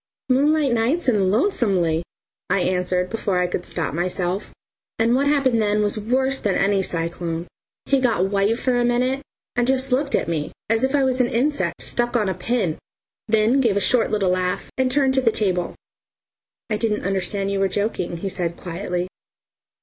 "Moonlight nights and lonesomely," I answered before I could stop myself, and what happened then was worse than any cyclone. He got white for a minute and just looked at me as if I was an insect stuck on a pin, then gave a short little laugh and turned to the table. "I didn't understand you were joking," he said quietly.